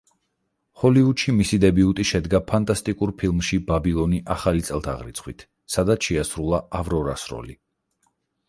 ჰოლივუდში მისი დებიუტი შედგა ფანტასტიკურ ფილმში „ბაბილონი ახალი წელთაღრიცხვით“, სადაც შეასრულა „ავრორას“ როლი.